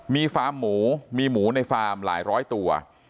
มีฟาร์มหมูมีหมูในฟาร์มหลายร้อยตัว